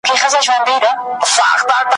که په لاره کی دي مل وو آیینه کي چي انسان دی ,